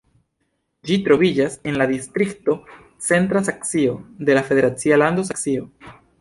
Ĝi troviĝas en la distrikto Centra Saksio de la federacia lando Saksio.